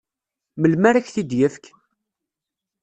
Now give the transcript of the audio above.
Melmi ara ak-t-id-yefk?